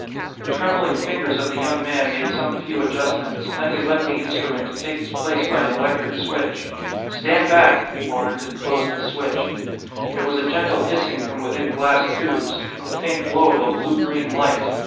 The trembling fingers of the young man made some few adjustments, then he left the instrument to take his place by an electric switch. "Stand back," he warned, and closed the switch. There was a gentle hissing from within glass tubes, the faint glow of a blue green light.